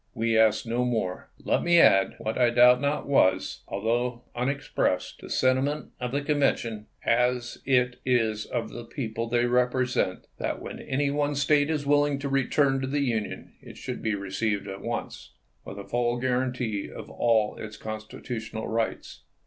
We ask no more. Let me add, what I doubt not was, although un expressed, the sentiment of the Convention, as it is of the people they represent, that when any one State is willing THE CHICAGO SURRENDEE 261 to return to the Union it should be received at once, with chap. xi. a full guarantee of all its constitutional rights.